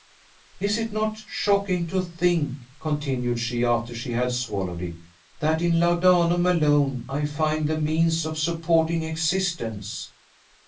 "Is not it shocking to think," continued she, after she had swallowed it, "that in laudanum alone I find the means of supporting existence?"